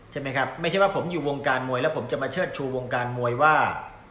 ใช่ไหมครับไม่ใช่ว่าผมอยู่วงการมวยแล้วผมจะมาเชิดชูวงการมวยว่า